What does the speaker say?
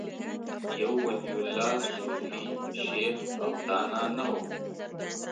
یو ولي الله، صوفي، شیخ او دانا نه و